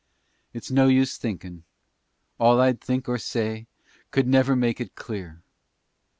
It's no use thinkin' all I'd think or say Could never make it clear.